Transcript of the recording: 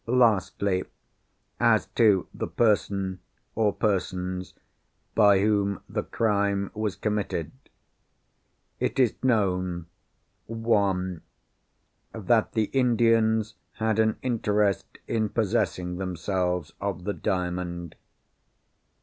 Lastly, as to the person, or persons, by whom the crime was committed. It is known (1) that the Indians had an interest in possessing themselves of the Diamond.